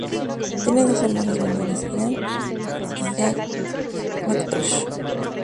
Tiene dos hermanos menores, Grant y Gage MacIntosh.